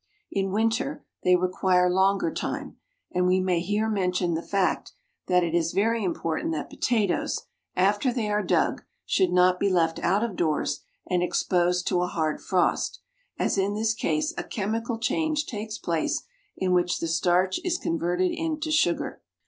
In winter, they require longer time, and we may here mention the fact that it is very important that potatoes, after they are dug, should not be left out of doors and exposed to a hard frost, as in this case a chemical change takes place in which the starch is converted into sugar.